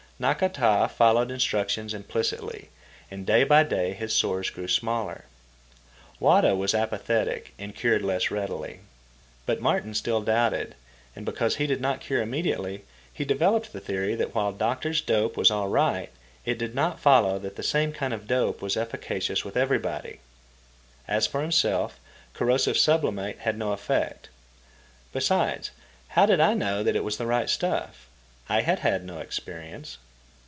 Nakata followed instructions implicitly, and day by day his sores grew smaller. Wada was apathetic, and cured less readily. But Martin still doubted, and because he did not cure immediately, he developed the theory that while doctor's dope was all right, it did not follow that the same kind of dope was efficacious with everybody. As for himself, corrosive sublimate had no effect. Besides, how did I know that it was the right stuff? I had had no experience.